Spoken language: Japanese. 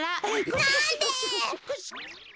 なんで？